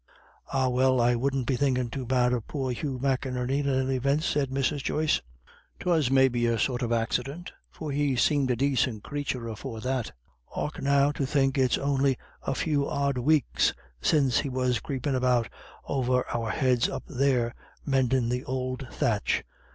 "Ah, well! I wouldn't be thinkin' too bad of poor Hugh McInerney, at all events," said Mrs. Joyce. "'Twas maybe a sort of accident, for he seemed a dacint crathur afore that. Och now, to think it's on'y a few odd weeks since he was creepin' about over our heads up there, mendin' th' ould thatch!